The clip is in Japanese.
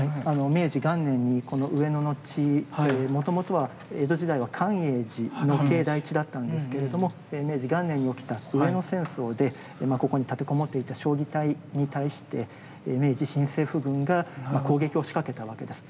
明治元年にこの上野の地もともとは江戸時代は寛永寺の境内地だったんですけれども明治元年に起きた上野戦争でここに立てこもっていた彰義隊に対して明治新政府軍が攻撃をしかけたわけです。